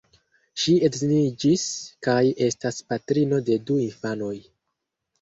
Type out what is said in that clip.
Ŝi edziniĝis kaj estas patrino de du infanoj.